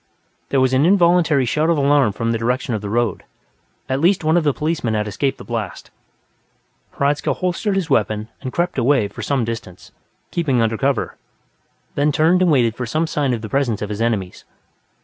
There was an involuntary shout of alarm from the direction of the road; at least one of the policemen had escaped the blast. Hradzka holstered his weapon and crept away for some distance, keeping under cover, then turned and waited for some sign of the presence of his enemies.